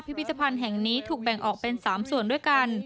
พิพิธภัณฑ์แห่งนี้ถูกแบ่งออกเป็น๓ส่วนด้วยกัน